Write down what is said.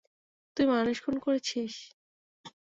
তুই মানুষ খুন করেছিস!